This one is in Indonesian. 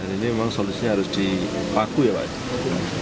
ini memang solusinya harus dipaku ya pak